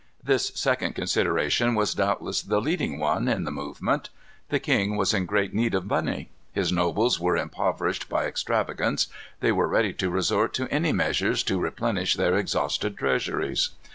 This second consideration was doubtless the leading one in the movement. The king was in great need of money. His nobles were impoverished by extravagance. They were ready to resort to any measures to replenish their exhausted treasuries.